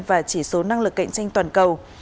và chỉ số năng lực cạnh tranh toàn cầu